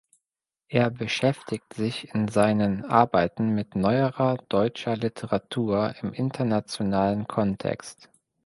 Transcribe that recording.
Er beschäftigt sich in seinen Arbeiten mit Neuerer deutscher Literatur im internationalen Kontext.